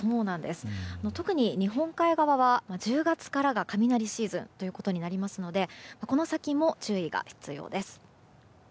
特に日本海側は１０月からが雷シーズンとなりますのでこの先も注意が必要です。